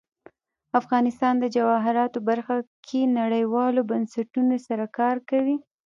افغانستان د جواهرات په برخه کې نړیوالو بنسټونو سره کار کوي.